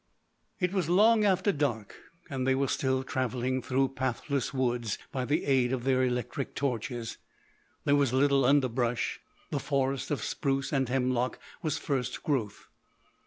It was long after dark and they were still travelling through pathless woods by the aid of their electric torches. There was little underbrush; the forest of spruce and hemlock was first growth.